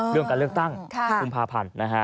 เรื่องการเลือกตั้งกุมภาพันธ์นะฮะ